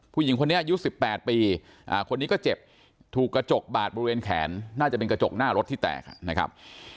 ผู้หญิงคนนี้อายุ๑๘ปีคนนี้ก็เจ็บถูกกระจกบาดบริเวณแขนน่าจะเป็นกระจกหน้ารถที่แตกนะครับ